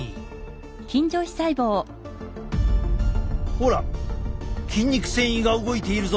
ほら筋肉線維が動いているぞ！